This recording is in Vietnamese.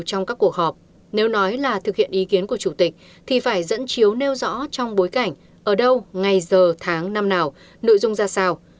hội họp nếu nói là thực hiện ý kiến của chủ tịch thì phải dẫn chiếu nêu rõ trong bối cảnh ở đâu ngày giờ tháng năm nào nội dung ra sao